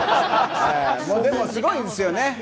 でも、すごいですよね。